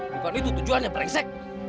bukan itu tujuannya brengsek